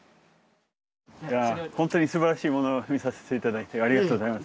本当にすばらしいものを見させて頂いてありがとうございます。